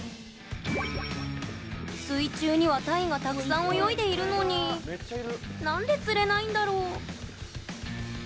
水中にはタイがたくさん泳いでいるのになんで釣れないんだろう？